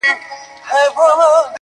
ما خو دا ټوله شپه.